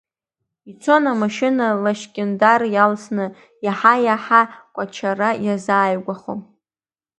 Ицон амашьына Лашькьындар иалсны, иаҳа-иаҳа Кәачара иазааигәахо.